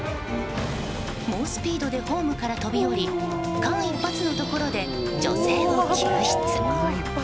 猛スピードでホームから飛び降り間一髪のところで女性を救出。